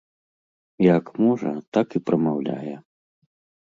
Як можа, так і прамаўляе.